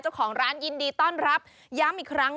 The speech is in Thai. เจ้าของร้านยินดีต้อนรับย้ำอีกครั้ง